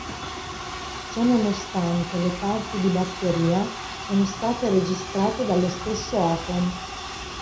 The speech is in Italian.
Ciò nonostante le parti di batteria sono state registrate dallo stesso Atom.